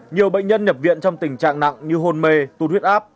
nhiều bệnh nhân nhập viện trong tình trạng nặng như hôn mê tu huyết áp